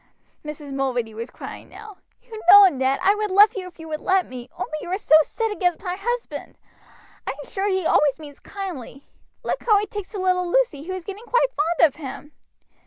Mrs. Mulready was crying now. "You know, Ned, I would love you if you would let me, only you are so set against my husband. I am sure he always means kindly. Look how he takes to little Lucy, who is getting quite fond of him."